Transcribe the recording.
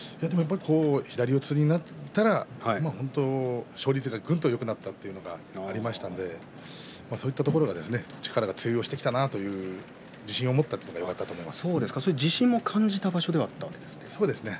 左四つになったら勝率がぐんとよくなったということがありましたのでそういったところが力が通用してきたなと自信を持ったというところがよかったと思います。